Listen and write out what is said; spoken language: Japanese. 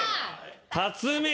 辰巳！